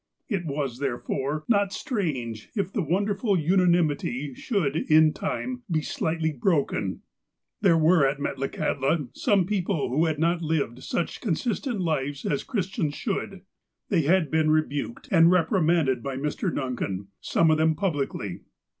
It was, therefore, not strange, if the wonderful una nimity should, in time, be slightly broken. There were at Metlakahtla some iDCople who had not lived such con sistent lives as Christians should. They had been re buked and reprimanded by Mr. Duncan, some of them publicly.